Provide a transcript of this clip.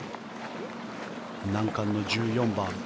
難関の１４番。